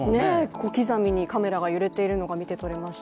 小刻みにカメラが揺れているのが見てとれました。